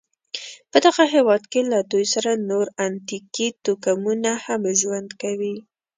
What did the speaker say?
په دغه هېواد کې له دوی سره نور اتنیکي توکمونه هم ژوند کوي.